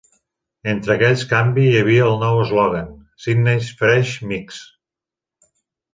Entre aquells canvi hi havia el nou eslògan "Sydney's Fresh Mix".